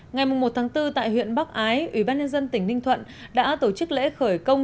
ngày một bốn tại huyện bắc ái ủy ban nhân dân tỉnh ninh thuận đã tổ chức lễ khởi công